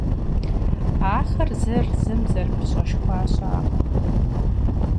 Ахэр зыр зым зэрыпыщӏэшхуа щыӏэкъым.